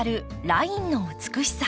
ラインの美しさ。